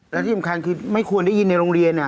และที่สำคัญคือไม่ควรได้ยินในโรงเรียน